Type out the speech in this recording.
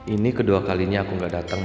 ini kedua kalinya aku gak datang